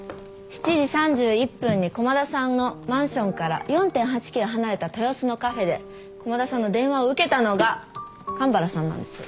７時３１分に駒田さんのマンションから４．８ｋｍ離れた豊洲のカフェで駒田さんの電話を受けたのが神原さんなんです。